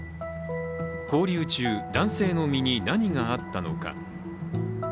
勾留中、男性の身に何があったのか。